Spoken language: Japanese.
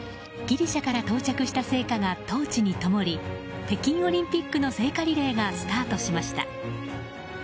ギリシャから到着した聖火がトーチにともり北京オリンピックの聖火リレーがスタートしました。